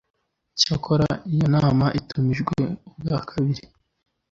icyakora iyo nama itumijwe ubwa kabiri